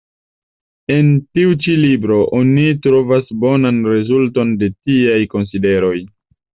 En tiu ĉi libro oni trovas bonan rezulton de tiaj konsideroj.